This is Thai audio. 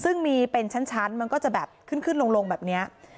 ซึ่งมีเป็นชั้นมันก็จะแบบขึ้นขึ้นลงแบบนี้